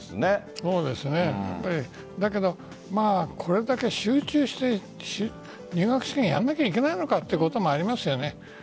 そうですね、だけどこれだけ集中して入学試験やらなければいけないのかなということもあります。